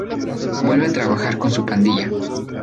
Vuelve a trabajar con su pandilla.